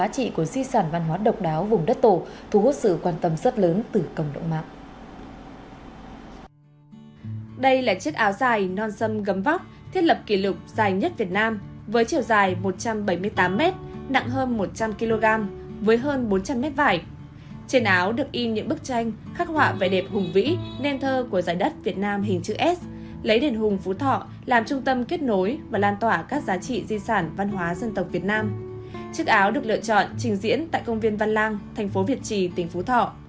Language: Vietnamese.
chức áo được lựa chọn trình diễn tại công viên văn lang thành phố việt trì tỉnh phú thọ